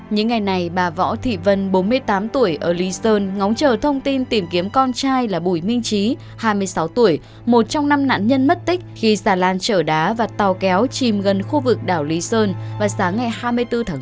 những ngày này bà võ thị vân bốn mươi tám tuổi ở lý sơn ngóng chờ thông tin tìm kiếm con trai là bùi minh trí hai mươi sáu tuổi một trong năm nạn nhân mất tích khi xà lan chở đá và tàu kéo chìm gần khu vực đảo lý sơn vào sáng ngày hai mươi bốn tháng bốn